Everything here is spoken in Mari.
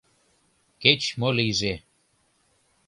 Кеч-мо лийже.